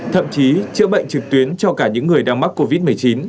thậm chí chữa bệnh trực tuyến cho cả những người đang mắc covid một mươi chín